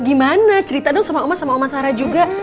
gimana cerita dong sama oma oma sarah juga